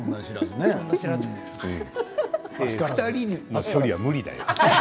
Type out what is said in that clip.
２人の処理は無理だよ。